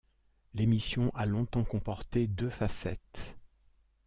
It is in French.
L'émission a longtemps comporté deux facettes.